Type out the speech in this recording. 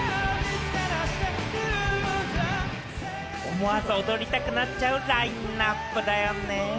思わず踊りたくなっちゃうラインナップだよね。